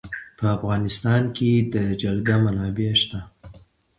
په افغانستان کې د جلګه منابع شته.